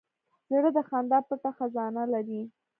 زړه د خندا پټ خزانې لري.